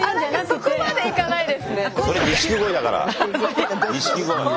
そこまでいかないですね。